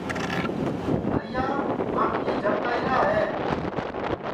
ہریا آنکھی جھپکائیرا ہے